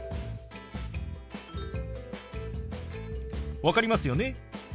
分かりますよね？